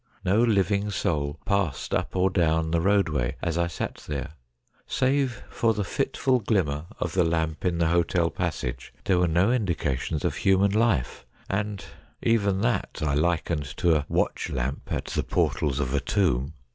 No living soul passed up or down the roadway as I sat there. Save for the fitful glimmer of the lamp in the hotel passage, there were no indications of human life, and even that I likened to a watch lamp at the portals of a tomb.